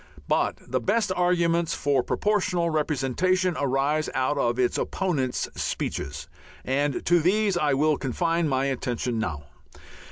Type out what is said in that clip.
But the best arguments for Proportional Representation arise out of its opponents' speeches, and to these I will confine my attention now.